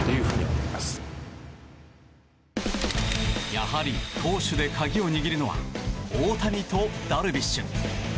やはり投手で鍵を握るのは大谷とダルビッシュ。